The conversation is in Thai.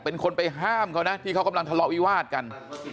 เป็นคนไปห้ามเขานะที่เขากำลังทะเลาะวิวาดกัน